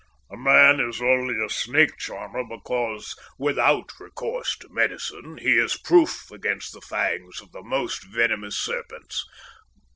"A man is only a snake charmer because, without recourse to medicine, he is proof against the fangs of the most venomous serpents."